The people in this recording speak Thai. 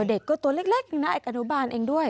เด็กก็ตัวเล็กนะเด็กอนุบาลเองด้วย